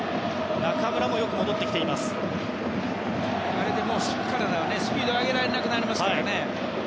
あれでカナダはスピードを上げられなくなりますから。